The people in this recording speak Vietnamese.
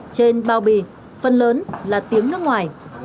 trên bao bì phần lớn là tiếng nước ngoài